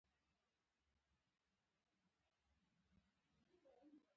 نجلۍ د باور او وفا سمبول ده.